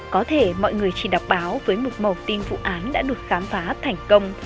có thể mọi người chỉ đọc báo với một màu tin vụ án đã được khám phá thành công